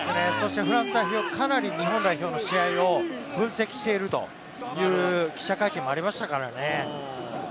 フランス代表はかなり日本代表の試合を分析しているという記者会見もありましたからね。